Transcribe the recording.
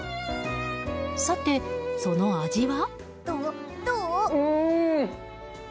さて、その味は。